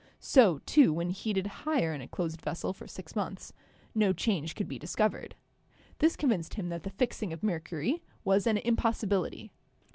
So, too, when heated higher in a closed vessel for six months no change could be discovered. This con vinced him that the fixing of # mercury was an impossibility.